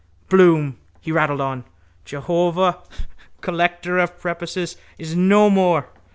Bloom. He rattled on: —Jehovah, collector of prepuces, is no more.